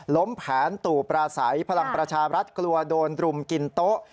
แผนตู่ปราศัยพลังประชารัฐกลัวโดนรุมกินโต๊ะ